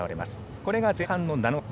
これが前半の７日間。